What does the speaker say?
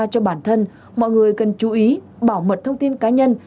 cần chú ý bảo mật thông tin cá nhân